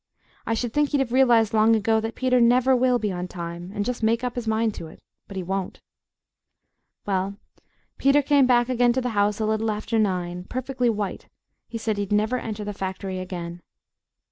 I should think he'd have realized long ago that Peter NEVER will be on time, and just make up his mind to it, but he won't. Well, Peter came back again to the house a little after nine, perfectly white; he said he'd never enter the factory again....